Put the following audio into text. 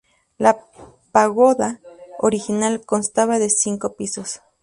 La pagoda original constaba de cinco pisos.